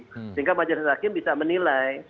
sehingga majelis hakim bisa menilai